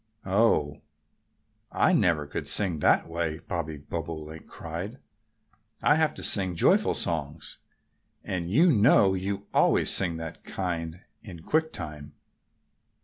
"Oh! I never could sing that way!" Bobby Bobolink cried. "I have to sing joyful songs. And you know you always sing that kind in quick time."